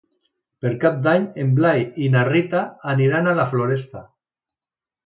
Per Cap d'Any en Blai i na Rita aniran a la Floresta.